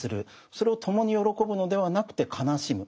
それを共に喜ぶのではなくて悲しむ。